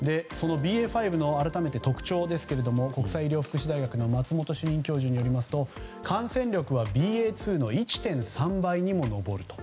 ＢＡ．５の特徴ですが国際医療福祉大学の松本哲哉主任教授によりますと感染力はＢＡ．２の１．３倍にも上ると。